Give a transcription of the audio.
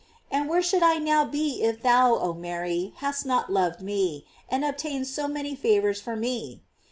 And where should I now be if thou, oh Mary, hadst not loved me, and ob tained so many favors for me?